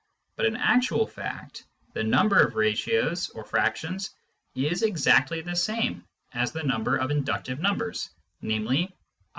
But in actual fact the number of ratios (or fractions) is exactly the same as the number of inductive numbers, namely, N